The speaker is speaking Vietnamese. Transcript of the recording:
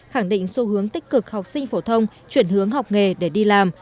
khẳng định xu hướng tích cực học sinh phổ thông chuyển hướng học nghề để đi làm